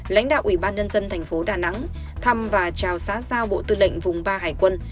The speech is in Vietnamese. lãnh đạo ủy ban nhân dân thành phố đà nẵng thăm và chào xã giao bộ tư lệnh vùng ba hải quân